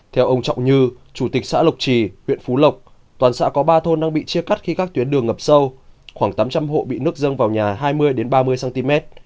theo ông trọng như chủ tịch xã lộc trì huyện phú lộc toàn xã có ba thôn đang bị chia cắt khi các tuyến đường ngập sâu khoảng tám trăm linh hộ bị nước dâng vào nhà hai mươi ba mươi cm